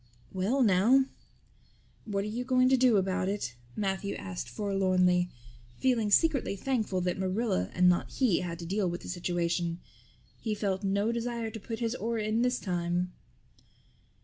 "Well now, what are you going to do about it?" Matthew asked forlornly, feeling secretly thankful that Marilla and not he had to deal with the situation. He felt no desire to put his oar in this time.